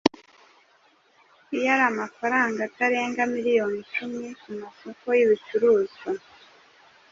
iyo ari amafaranga atarenga miliyoni icumi ku masoko y’ibicuruzwa;